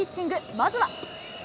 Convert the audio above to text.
まずは。